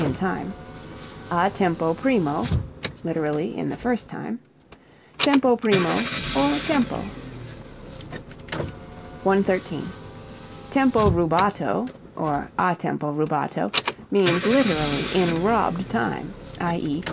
in time), a tempo primo (lit. in the first time), tempo primo, or tempo. 113. Tempo rubato (or a tempo rubato) means literally in robbed time, _i.e.